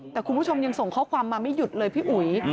แต่คุณผู้ชมยังส่งข้อความมาไม่หยุดเลยพี่อุ๋ย